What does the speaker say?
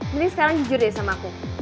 mending sekarang jujur deh sama aku